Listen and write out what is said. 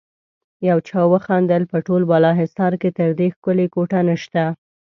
يو چا وخندل: په ټول بالاحصار کې تر دې ښکلی کوټه نشته.